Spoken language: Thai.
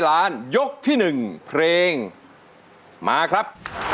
ให้ร้านยกที่หนึ่งเพลงมาครับ